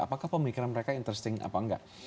apakah pemikiran mereka menarik atau tidak